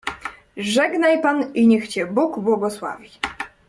"Żegnaj pan i niech cię Bóg błogosławi."